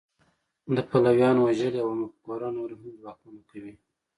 د پلویانو وژل یوه مفکوره نوره هم ځواکمنه کوي